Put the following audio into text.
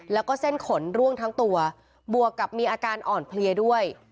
แล้วก็เส้นขนร่วงทั้งตัวบวกกับมีอาการอ่อนเพลียด้วย